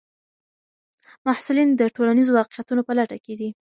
محصلین د ټولنیزو واقعیتونو په لټه کې دي.